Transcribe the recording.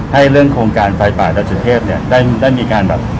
เรื่องโครงการไฟป่าดัชสุเทพเนี่ยได้มีการแบบ